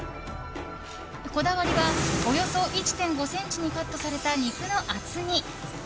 こだわりは、およそ１．６ｃｍにカットされた肉の厚み。